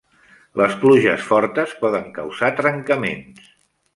Les pluges fortes poden causar trencaments.